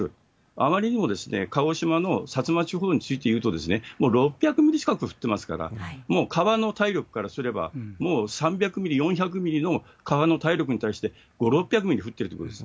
あまりにも鹿児島の薩摩地方について言うと、もう６００ミリ近く降ってますから、もう川の体力からすれば、もう３００ミリ、４００ミリの川の体力に対して５、６００ミリ降っているということです。